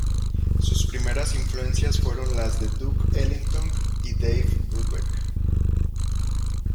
Sus primeras influencias fueron las de Duke Ellington y Dave Brubeck.